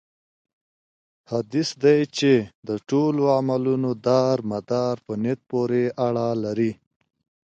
حديث دی چې: د ټولو عملونو دار مدار په نيت پوري اړه لري